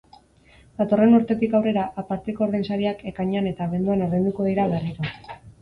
Datorren urtetik aurrera, aparteko ordainsariak ekainean eta abenduan ordainduko dira berriro.